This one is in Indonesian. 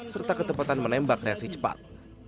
serta ketepatan menembak reaksi cepat